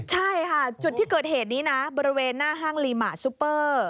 ใช่ค่ะจุดที่เกิดเหตุนี้นะบริเวณหน้าห้างลีมะซูเปอร์